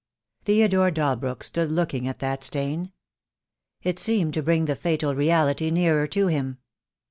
Theodore Dalbrook stood looking at that stain. It THE DAY WILL COME. 89 seemed to bring the fatal reality nearer to him.